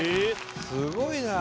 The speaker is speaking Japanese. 「すごいな」